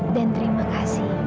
dan terima kasih